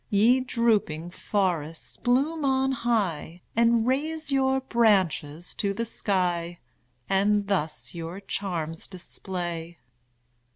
Ye drooping forests, bloom on high, And raise your branches to the sky; And thus your charms display!